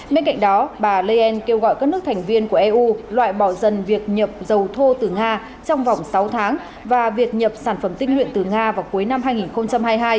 bên cạnh đó bà leyen kêu gọi các nước thành viên của eu loại bỏ dần việc nhập dầu thô từ nga trong vòng sáu tháng và việc nhập sản phẩm tinh nguyện từ nga vào cuối năm hai nghìn hai mươi hai